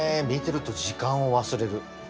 見てると時間を忘れる。